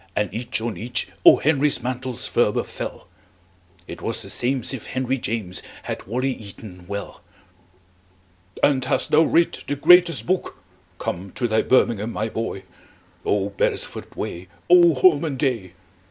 and each on each O. Henry's mantles ferber fell. It was the same'sif henryjames Had wally eaton well. "And hast thou writ the greatest book? Come to thy birmingham, my boy! Oh, beresford way! Oh, holman day!"